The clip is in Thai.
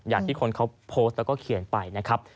อย่างที่คนเขาโพสต์แล้วก็เขียนไปนะครับ